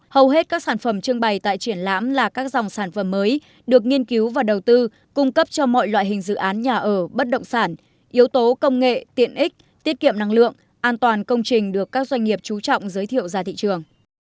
hầu hết các sản phẩm trưng bày tại triển lãm là các dòng sản phẩm mới được nghiên cứu và đầu tư cung cấp cho mọi loại hình dự án nhà ở bất động sản yếu tố công nghệ tiện ích tiết kiệm năng lượng an toàn công trình được các doanh nghiệp trú trọng giới thiệu ra thị trường